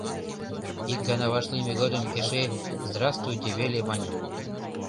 Ик гана вашлийме годым эше «Здравствуйте» веле маньым.